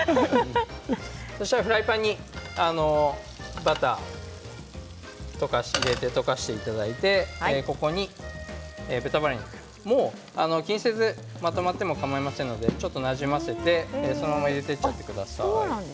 そうしたらフライパンにバター、溶かしていただいてここに豚バラ肉もう気にせずまとまっても構いませんので、ちょっとなじませて、そのまま入れちゃってください。